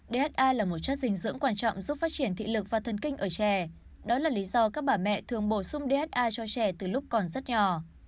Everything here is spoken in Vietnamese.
dha là một chất dinh dưỡng quan trọng giúp phát triển thị lực và thần kinh ở trẻ đó là lý do các bà mẹ thường bổ sung dha cho trẻ từ lúc còn rất nhỏ